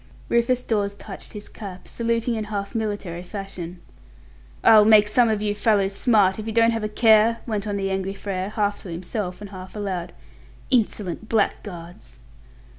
Rufus Dawes touched his cap, saluting in half military fashion. "I'll make some of you fellows smart, if you don't have a care," went on the angry Frere, half to himself. "Insolent blackguards!"